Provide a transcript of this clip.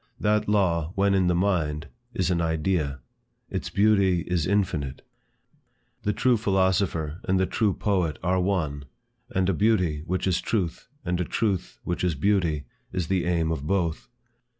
That law, when in the mind, is an idea. Its beauty is infinite. The true philosopher and the true poet are one, and a beauty, which is truth, and a truth, which is beauty, is the aim of both.